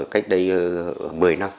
cách đây một mươi năm